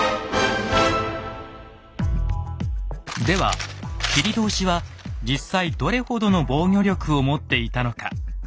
では切通は実際どれほどの防御力を持っていたのか。